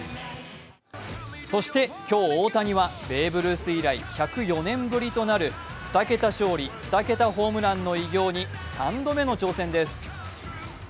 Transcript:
そして今日、大谷はベーブ・ルース以来１０４年ぶりとなる２桁勝利・２桁ホームランの偉業に３度目の挑戦です。